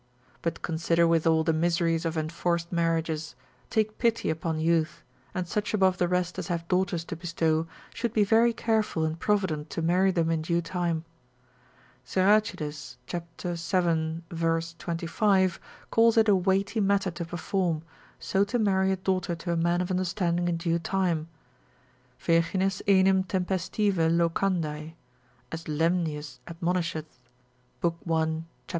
but consider withal the miseries of enforced marriages; take pity upon youth: and such above the rest as have daughters to bestow, should be very careful and provident to marry them in due time. Siracides cap. 7. vers. 25. calls it a weighty matter to perform, so to marry a daughter to a man of understanding in due time: Virgines enim tempestive locandae, as Lemnius admonisheth, lib. 1. cap.